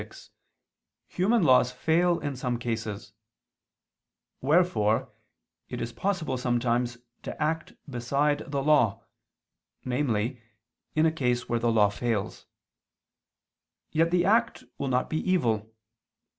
6), human laws fail in some cases: wherefore it is possible sometimes to act beside the law; namely, in a case where the law fails; yet the act will not be evil.